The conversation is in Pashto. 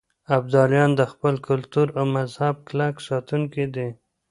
ابدالیان د خپل کلتور او مذهب کلک ساتونکي دي.